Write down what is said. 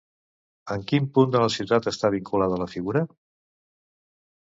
Amb quin punt de la ciutat està vinculada, la figura?